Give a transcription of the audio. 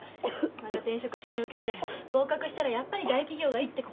また転職試験受けて合格したらやっぱり大企業がいいってここに残って。